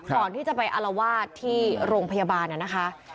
ก่อนที่จะไปอารวาสที่โรงพยาบาลน่ะนะคะ